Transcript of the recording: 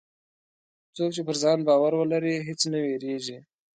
څوک چې پر ځان باور لري، هېڅ نه وېرېږي.